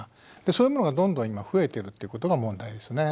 そういうのがどんどん今増えているっていうことが問題ですね。